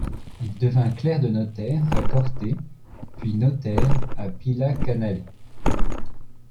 Il devient clerc de notaire à Corte, puis notaire à Pila-Canale.